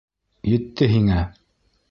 Етте һиңә!